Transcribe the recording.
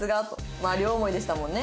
まあ両思いでしたもんね。